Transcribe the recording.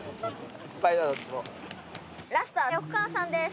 ラストは横川さんです。